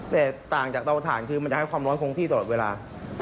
แต่ต่างจากเตาถ่านคือมันจะให้ความร้อนคงที่ตลอดเวลา